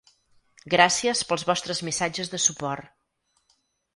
Gràcies pels vostres missatges de suport.